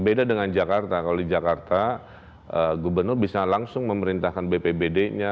beda dengan jakarta kalau di jakarta gubernur bisa langsung memerintahkan bpbd nya